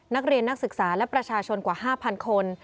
นักเรียนนักศึกษาและประชาชนกว่า๕๐๐๐คน